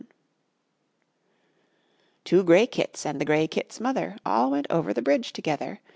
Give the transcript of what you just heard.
The two gray kits, And the gray kits' mother, All went over The bridge together.